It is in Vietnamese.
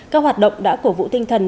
các hoạt động đã cổ vụ tinh thần